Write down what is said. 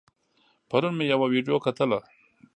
پرون مې يوه ويډيو کتله